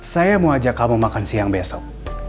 saya mau ajak kamu makan siang besok